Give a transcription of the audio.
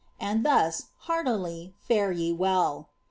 And thus, heartily, fare ye well.